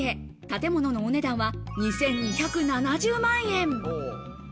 建物のお値段は２２７０万円。